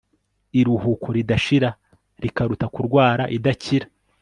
iruhuko ridashira rikaruta kurwara idakira